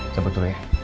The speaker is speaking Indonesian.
cepet dulu ya